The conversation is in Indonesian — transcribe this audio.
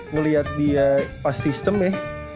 ngelihat dia pas sistem ya